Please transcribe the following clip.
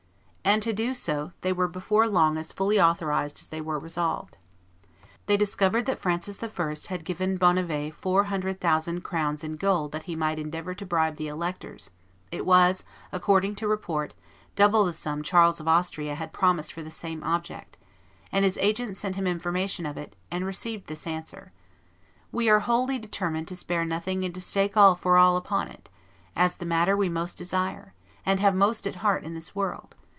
And to do so they were before long as fully authorized as they were resolved. They discovered that Francis I. had given Bonnivet four hundred thousand crowns in gold that he might endeavor to bribe the electors; it was, according to report, double the sum Charles of Austria had promised for the same object; and his agents sent him information of it, and received this answer: "We are wholly determined to spare nothing and to stake all for all upon it, as the matter we most desire and have most at heart in this world.